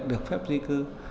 được phép di cư